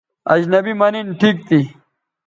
اجنبی مہ نِن ٹھیک تھی